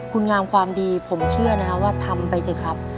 คุณงามความดีผมเชื่อนะครับว่าทำไปเถอะครับ